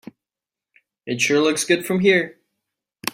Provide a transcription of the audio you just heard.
It sure looks good from here.